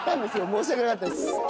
申し訳なかったです。